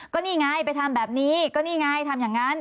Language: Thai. ก็นี่ไงไปทำแบบนี้ทำแต่นั่น